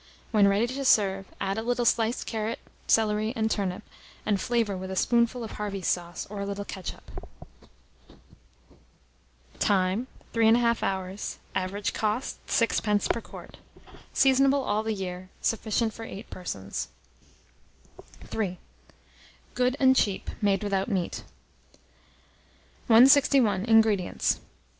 When ready to serve, add a little sliced carrot, celery, and turnip, and flavour with a spoonful of Harvey's sauce, or a little ketchup. Time. 3 1/2 hours. Average cost,6d. per quart. Seasonable all the year. Sufficient for 8 persons. III. (Good and Cheap, made without Meat.) 161. INGREDIENTS.